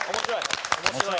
面白い！